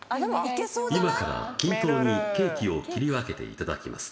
今から均等にケーキを切り分けていただきます